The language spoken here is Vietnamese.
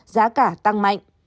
giá cả tăng mạnh